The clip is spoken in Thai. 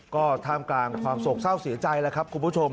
ก็ท่ามกลางความโศกเศร้าเสียใจแล้วครับคุณผู้ชม